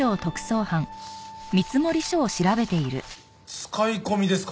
使い込みですか。